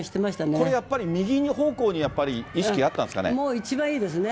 これやっぱり右方向にやっぱり意識あったんですかね。